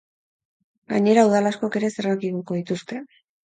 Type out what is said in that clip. Gainera, udal askok ere zergak igoko dituzte.